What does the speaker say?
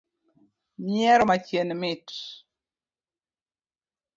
Nyiero machien mit